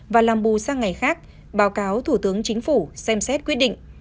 và làm bù sang ngày khác báo cáo thủ tướng chính phủ xem xét quyết định